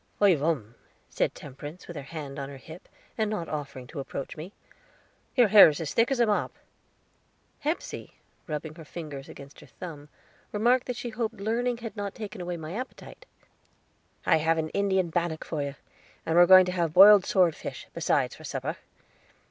"I vum," said Temperance, with her hand on her hip, and not offering to approach me, "your hair is as thick as a mop." Hepsey, rubbing her fingers against her thumb, remarked that she hoped learning had not taken away my appetite. "I have made an Indian bannock for you, and we are going to have broiled sword fish, besides, for supper.